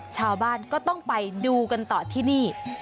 ชาวบ้านก็ต้องไปดูกันต่อที่นี่